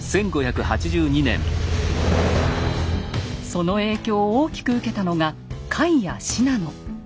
その影響を大きく受けたのが甲斐や信濃。